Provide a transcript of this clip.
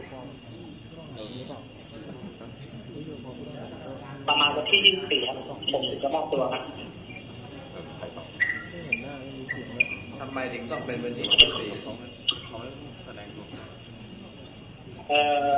ประมาณวันที่๒๔ผมจะมอบตัวครับ